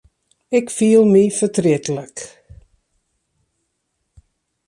Ik fiel my fertrietlik.